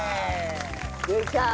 できた！